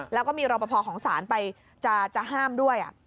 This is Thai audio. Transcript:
แล้วก็มีรอปภของศาลไปจะห้ามด้วย